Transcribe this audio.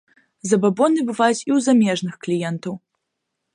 Забабоны бываюць і ў замежных кліентаў.